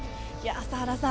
朝原さん